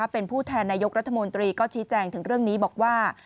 เป็นผู้แทนนายกรัฐมนตรีก็ชี้แจงถึงเรื่องนี้บอกว่า